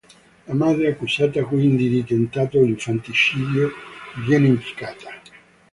La madre, accusata quindi di tentato infanticidio, viene impiccata.